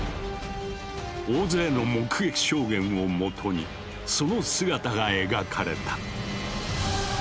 大勢の目撃証言をもとにその姿が描かれた。